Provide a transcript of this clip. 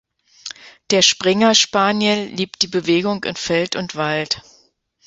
Der Springer Spaniel liebt die Bewegung in Feld und Wald.